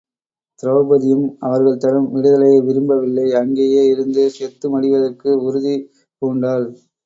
திரெளபதியும் அவர்கள் தரும் விடுதலையை விரும்ப வில்லை அங்கேயே இருந்து செத்து மடிவதற்கு உறுதி பூண்டாள்.